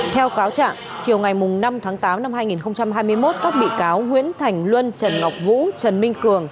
theo cáo trạng chiều ngày năm tháng tám năm hai nghìn hai mươi một các bị cáo nguyễn thành luân trần ngọc vũ trần minh cường